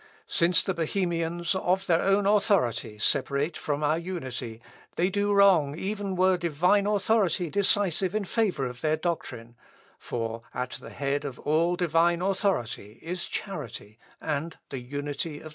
Since the Bohemians, of their own authority, separate from our unity, they do wrong even were divine authority decisive in favour of their doctrine; for at the head of all divine authority is charity and the unity of the Spirit."